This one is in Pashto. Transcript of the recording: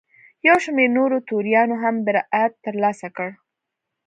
یو شمېر نورو توریانو هم برائت ترلاسه کړ.